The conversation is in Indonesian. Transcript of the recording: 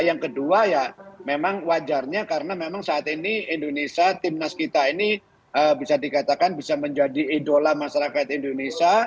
yang kedua ya memang wajarnya karena memang saat ini timnas kita ini bisa dikatakan bisa menjadi idola masyarakat indonesia